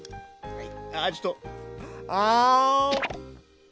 はい。